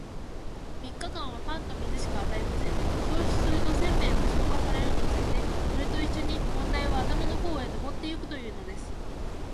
三日間は、パンと水しか与えません。そうすると、煎餅が消化されるにつれて、それと一しょに問題は頭の方へ上ってゆくというのです。